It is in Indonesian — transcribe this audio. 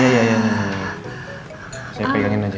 saya pegangin aja